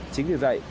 chính vì vậy